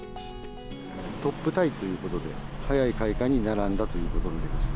トップタイということで、早い開花に並んだということになります。